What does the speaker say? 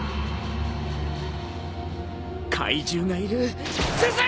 ・怪獣がいるすず！